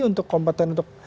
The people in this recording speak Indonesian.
untuk kompeten untuk